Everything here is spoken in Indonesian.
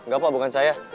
gak pak bukan saya